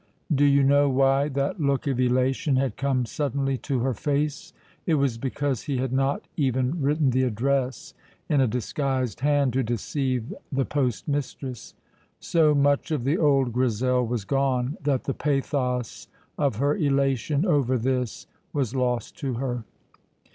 Do you know why that look of elation had come suddenly to her face? It was because he had not even written the address in a disguised hand to deceive the postmistress. So much of the old Grizel was gone that the pathos of her elation over this was lost to her.